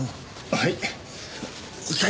はい？